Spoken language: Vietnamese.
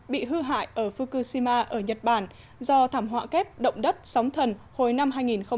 bị hư hại ở fukushima ở nhật bản do thảm họa kép động đất sóng thần hồi năm hai nghìn một mươi